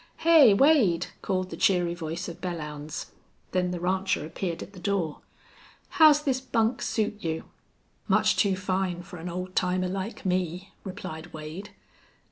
"Hey, Wade!" called the cheery voice of Belllounds. Then the rancher appeared at the door. "How's this bunk suit you?" "Much too fine for an old timer like me," replied Wade.